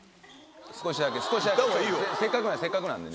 少しだけ少しだけせっかくなんでせっかくなんで。